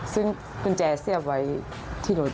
ซึ่งกุญแจเสียบไว้ที่รถ